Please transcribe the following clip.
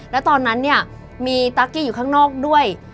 แล้วตอนนั้นเนี่ยมีตั๊กกี้อยู่ข้างนอกด้วย